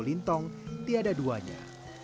lintong tiada duanya